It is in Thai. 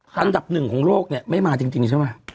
อันดับหนึ่งของโลกเนี่ยไม่มาจริงใช่ไหม